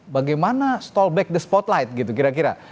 bagaimana stallback the spotlight gitu kira kira